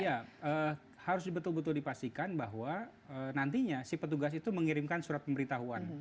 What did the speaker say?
ya harus betul betul dipastikan bahwa nantinya si petugas itu mengirimkan surat pemberitahuan